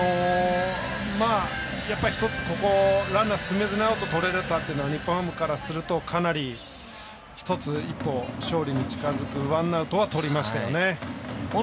やっぱり１つランナー進めずにアウトをとれたというのは日本ハムからすると、かなり一歩、勝利に近づくワンアウトとりましたよね。